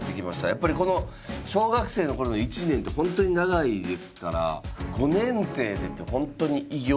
やっぱりこの小学生の頃の一年って本当に長いですから５年生でって本当に偉業かもしれません。